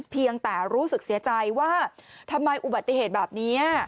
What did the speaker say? เพียงแต่รู้สึกเสียใจว่าทำไมอุบัติเหตุแบบนี้